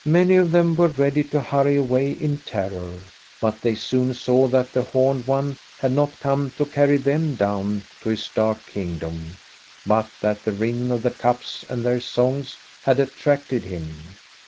Many of them were ready to hurry away in terror, but they soon saw that the homed one had not come to carry them down to his dark kingdom, but that the ring of the cups and their songs had attracted him.